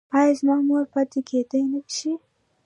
ایا زما مور پاتې کیدی شي؟